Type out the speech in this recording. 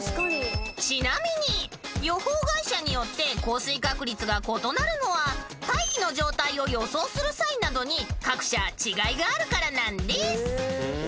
［ちなみに予報会社によって降水確率が異なるのは大気の状態を予想する際などに各社違いがあるからなんです］